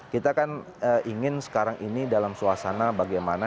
kita kan ingin sekarang ini dalam suasana bagaimana